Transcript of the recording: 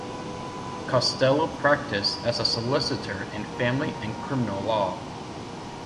Costello practised as a solicitor in family and criminal law.